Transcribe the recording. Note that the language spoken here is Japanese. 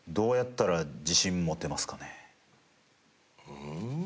うん？